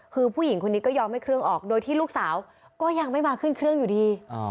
คือผู้หญิงคนนี้ก็ยอมให้เครื่องออกโดยที่ลูกสาวก็ยังไม่มาขึ้นเครื่องอยู่ดี